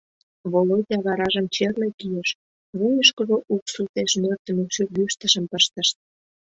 Володя варажым черле кийыш, вуйышкыжо уксусеш нӧртымӧ шӱргӱштышым пыштышт.